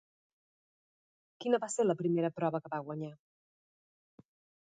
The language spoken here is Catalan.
Quina va ser la primera prova que va guanyar?